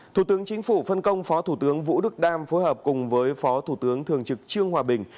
thủ tướng chính phủ phân công phó thủ tướng vũ đức đam phối hợp cùng với phó thủ tướng thường trực trương hòa bình